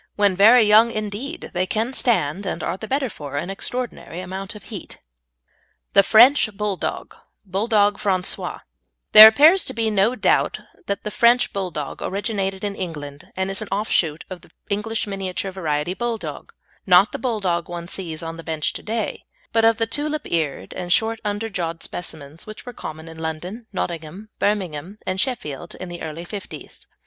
When very young indeed they can stand, and are the better for, an extraordinary amount of heat. THE FRENCH BULLDOG (BOULEDOGUE FRANCAIS) There appears to be no doubt that the French Bulldog originated in England, and is an offshoot of the English miniature variety Bulldog, not the Bulldog one sees on the bench to day, but of the tulip eared and short underjawed specimens which were common in London, Nottingham, Birmingham, and Sheffield in the early 'fifties.